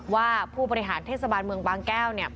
ว่าผู้บริหารเทศบันเมืองบางแก้ว